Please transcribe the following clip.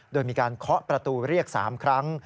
โดยมีการเคาะประตูเรียก๓ครั้ง